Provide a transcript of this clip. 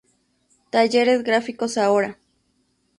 Talleres gráficos "Ahora".